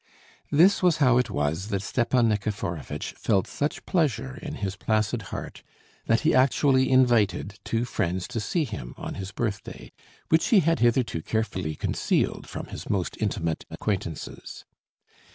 This was how it was that Stepan Nikiforovitch felt such pleasure in his placid heart that he actually invited two friends to see him on his birthday, which he had hitherto carefully concealed from his most intimate acquaintances.